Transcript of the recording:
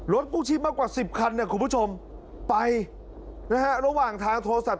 กู้ชีพมากกว่าสิบคันเนี่ยคุณผู้ชมไปนะฮะระหว่างทางโทรศัพ